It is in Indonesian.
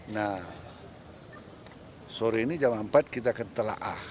nah sore ini jam empat kita akan telah ah